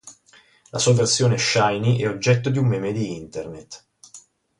La sua versione Shiny è oggetto di un meme di Internet.